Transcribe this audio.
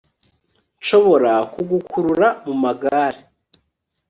nshobora kugukurura mumagare